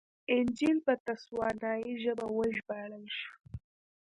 انجییل په تسوانایي ژبه وژباړل شو.